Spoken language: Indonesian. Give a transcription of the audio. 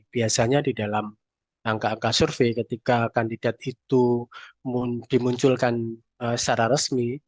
biasanya di dalam angka angka survei ketika kandidat itu dimunculkan secara resmi